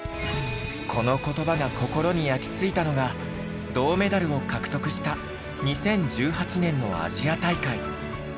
この言葉が心に焼きついたのが銅メダルを獲得した２０１８年のアジア大会。